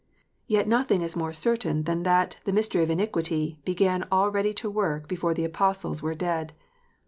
Yet nothing is more certain than that " the mystery of iniquity " began already to work before the Apostles were dead.